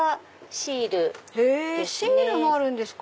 シールもあるんですか。